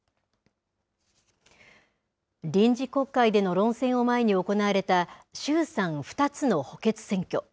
臨時国会での論戦を前に行われた、衆参２つの補欠選挙。